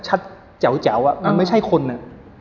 แจ๋วมันไม่ใช่คนอ่ะ